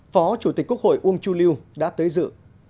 phó chủ tịch quốc hội uông chu lưu đã tới dự